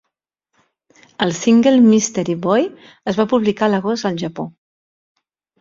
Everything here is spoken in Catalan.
El single "Mystery Boy" es va publicar a l'agost al Japó..